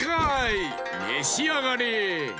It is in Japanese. めしあがれ！